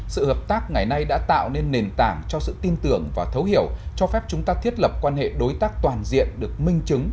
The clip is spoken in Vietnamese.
sự hợp tác ngày nay đã tạo nên nền tảng cho sự tin tưởng và thấu hiểu cho phép chúng ta thiết lập quan hệ đối tác toàn diện được minh chứng